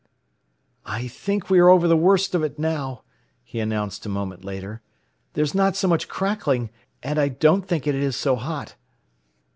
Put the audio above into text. "I think we are over the worst of it now," he announced a moment later. "There's not so much crackling; and I don't think it is so hot."